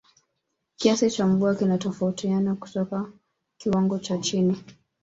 Kiasi cha mvua kinatofautiana kutoka kiwango cha chini